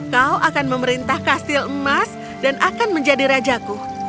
kau akan memerintah kastil emas dan akan menjadi rajaku